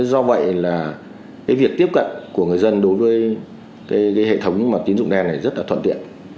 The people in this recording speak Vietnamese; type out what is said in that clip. do vậy việc tiếp cận của người dân đối với hệ thống tiến dụng đèn này rất thuận tiện